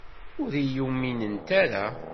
Ur iyi-uminent ara.